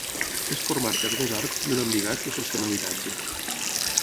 És format per dos arcs i un embigat que sosté un habitatge.